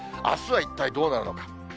あすは一体どうなるのか。